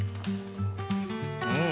うん。